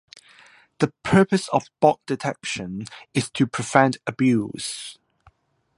The purpose of bot detection is to prevent abuse